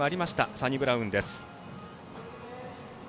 サニブラウンです。